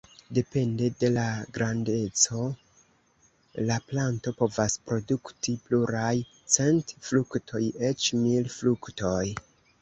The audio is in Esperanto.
Depende de la grandeco la planto povas produkti pluraj cent fruktoj, eĉ mil fruktoj.